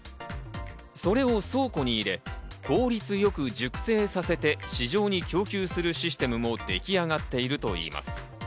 それを倉庫に入れ、効率よく熟成させて市場に供給するシステムも出来上がっているといいます。